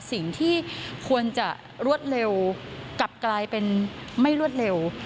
สิ่งที่ควรจะรวดเร็วกลับกลายเป็นไม่รวดเร็ว